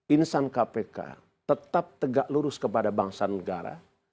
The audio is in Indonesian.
insan kpk tetap tegak lurus kepada bangsa negara